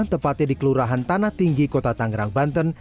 tepatnya di kelurahan tanah tinggi kota tangerang banten